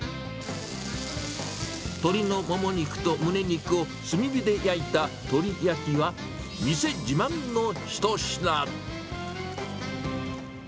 鶏のもも肉とむね肉を炭火で焼いた鳥焼きは、店自慢の一品。